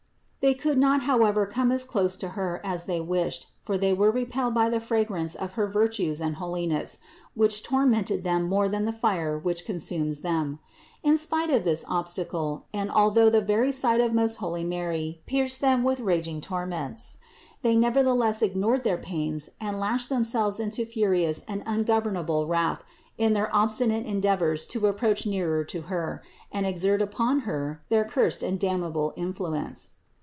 They could not however come as close to Her as they wished, for they were repelled by the fragrance of her virtues and holiness, which tormented them more than the fire which consumes them. In spite of this obstacle and although the very sight of most holy Mary pierced them with raging torments, they nevertheless ignored their pains and lashed themselves into furious and ungovernable wrath in their obstinate endeavors to approach nearer to Her and exert upon Her their cursed and damnable influence.